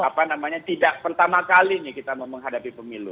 apa namanya tidak pertama kalinya kita menghadapi pemilu